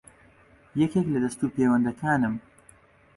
یەکێک لە دەستوپێوەندەکانم